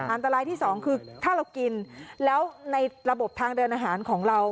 อันตรายที่สองคือถ้าเรากินแล้วในระบบทางเดินอาหารของเรา